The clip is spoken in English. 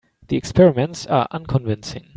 The experiments are unconvincing.